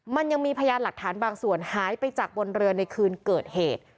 มันยังมีพยานหลักฐานบางส่วนหายไปจากบนเรือในคืนเกิดเหตุ